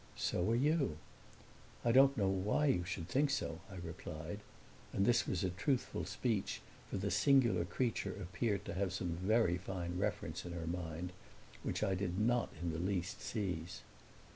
"So are you." "I don't know why you should think so," I replied; and this was a truthful speech, for the singular creature appeared to have some very fine reference in her mind, which I did not in the least seize.